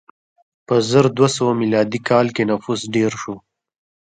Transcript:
په زر دوه سوه میلادي کال کې نفوس ډېر شو.